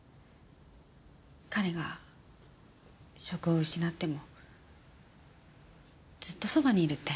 彼が職を失ってもずっとそばにいるって。